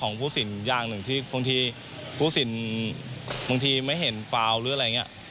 ของผู้สินอย่างหนึ่งที่ไม่เห็นตัวหรืออย่างอื่น